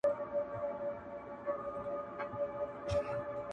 نه چاره یې په دارو درمل کېدله!!